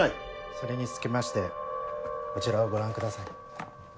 それにつきましてこちらをご覧ください。